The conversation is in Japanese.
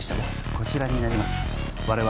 こちらになります我々